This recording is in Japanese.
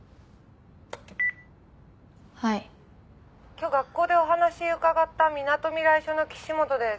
「今日学校でお話伺ったみなとみらい署の岸本です」